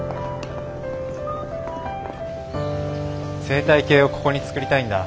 生態系をここに作りたいんだ。